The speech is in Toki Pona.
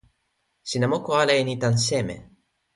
sina moku ala e ni tan seme?